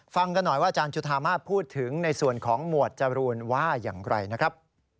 ฟังกันหน่อยว่าอาจารย์จุธามาสพูดถึงในส่วนของหมวดจรูนว่าอย่างไรนะครับ